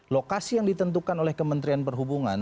lokasi yang ditentukan oleh kementerian perhubungan